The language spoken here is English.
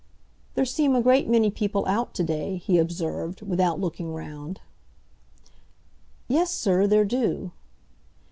"There seem a great many people out today," he observed, without looking round. "Yes, sir, there do."